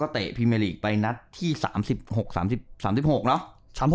ก็เตะพิเมอร์ลีกไปนัดที่๓๖เนาะ